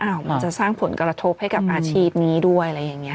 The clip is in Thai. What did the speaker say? มันจะสร้างผลกระทบให้กับอาชีพนี้ด้วยอะไรอย่างนี้